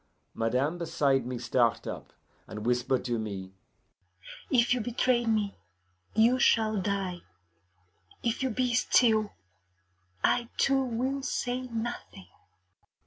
Madame beside me start up, and whisper to me, 'If you betray me, you shall die. If you be still, I too will say nothing.